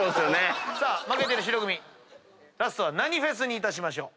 さあ負けてる白組ラストは何フェスにいたしましょう？